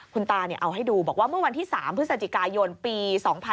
คุณตาเอาให้ดูบอกว่าเมื่อวันที่๓พฤศจิกายนปี๒๕๕๙